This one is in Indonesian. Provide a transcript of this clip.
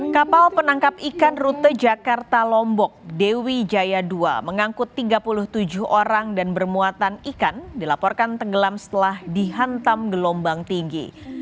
kapal penangkap ikan rute jakarta lombok dewi jaya dua mengangkut tiga puluh tujuh orang dan bermuatan ikan dilaporkan tenggelam setelah dihantam gelombang tinggi